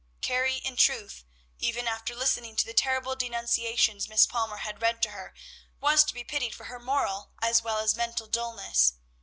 Carrie, in truth, even after listening to the terrible denunciations Miss Palmer had read to her, was to be pitied for her moral as well as mental dulness.